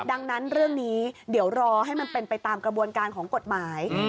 ดังนั้นเรื่องนี้เดี๋ยวรอให้มันเป็นไปตามกระบวนการของกฎหมาย